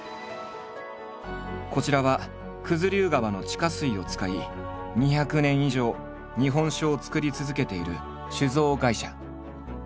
こちらは九頭竜川の地下水を使い２００年以上日本酒を造り続けている酒造会社。